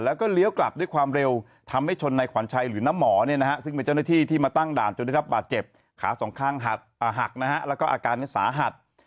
แล้วก็เลี้ยวกลับด้วยความเร็วทำให้ชนในขวัญชัยหรือน้าหมอซึ่งเป็นเจ้าหน้าที่ที่มาตั้งด่านจนได้รับบาดเจ็บขาสองข้างหักนะฮะแล้วก็อาการสาหัส